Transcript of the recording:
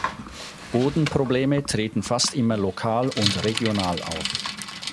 Bodenprobleme treten fast immer lokal und regional auf.